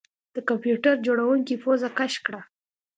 د کمپیوټر جوړونکي پوزه کش کړه